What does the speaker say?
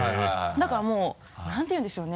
だからもう何て言うんでしょうね